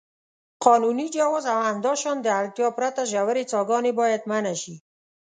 قانوني جواز او همداشان د اړتیا پرته ژورې څاګانې باید منع شي.